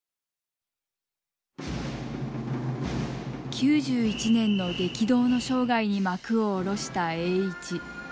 ９１年の激動の生涯に幕を下ろした栄一。